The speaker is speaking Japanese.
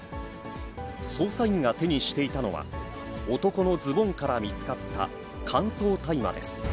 捜査員が手にしていたのは、男のズボンから見つかった乾燥大麻です。